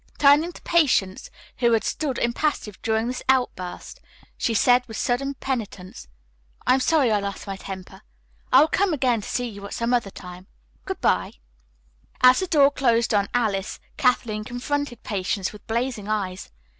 Turning to Patience, who had stood impassive during this outburst, she said with sudden penitence: "I'm sorry I lost my temper. I will come again to see you at some other time. Good bye." As the door closed on Alice, Kathleen confronted Patience with blazing eyes.